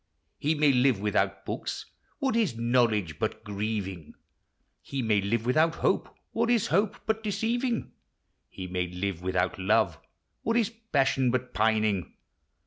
He may live without hooks, — what is knowledge but grieving ? He may live without Iftope, — what is hope but de>. ceiving ? He may live Avithout love, — what is passion but. pining?